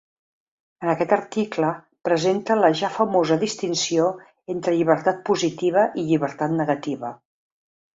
En aquest article, presenta la ja famosa distinció entre llibertat positiva i llibertat negativa.